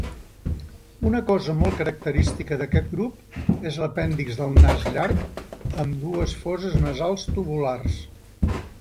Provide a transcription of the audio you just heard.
Una cosa molt característica d'aquest grup és l'apèndix del nas llarg amb dues fosses nasals tubulars.